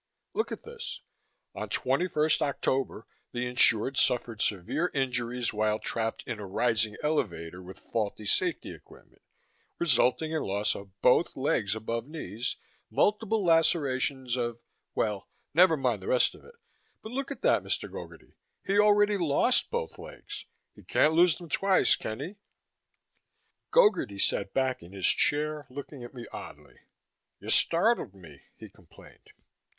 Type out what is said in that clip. "Look at this! 'On 21st October, the insured suffered severe injuries while trapped in a rising elevator with faulty safety equipment, resulting in loss of both legs above knees, multiple lacerations of ' Well, never mind the rest of it. But look at that, Mr. Gogarty! He already lost both legs! He can't lose them twice, can he?" Gogarty sat back in his chair, looking at me oddly. "You startled me," he complained.